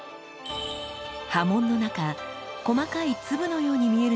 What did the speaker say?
刃文の中細かい粒のように見えるのが沸出来。